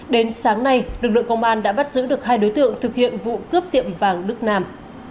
đến sáng nay lực lượng công an đã bắt giữ được hai đối tượng thực hiện vụ cướp tiệm vàng đức nam